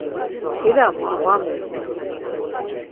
Nǩila ma va miğun.